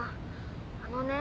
あのね。